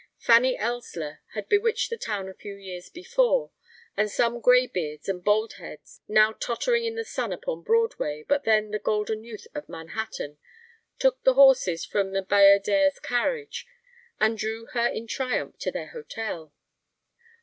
Fanny Ellsler had bewitched the town a few years before; and some graybeards and baldheads, now tottering in the sun upon Broadway, but then the golden youth of Manhattan, took the horses from the Bayadere's carriage and drew her in triumph to her hotel.